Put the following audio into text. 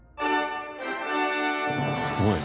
すごい。